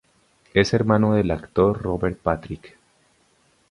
Es hermano del actor Robert Patrick.